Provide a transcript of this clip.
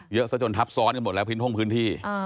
เยอะซะจนทับซ้อนกันหมดแล้วพื้นห้องพื้นที่